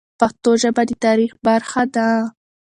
پښتو ژبه د تاریخ برخه ده.